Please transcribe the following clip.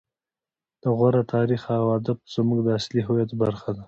د غور تاریخ او ادب زموږ د اصلي هویت برخه ده